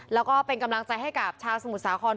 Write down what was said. แล้วก็เป็นกำลังใจให้กับชาวสมุทรสาคร